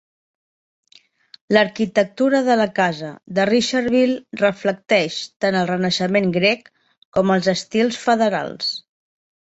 L'arquitectura de la casa de Richardville reflecteix tant el renaixement grec com els estils federals.